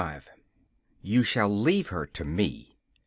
35 'You shall leave her to me.